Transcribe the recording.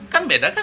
kan beda kan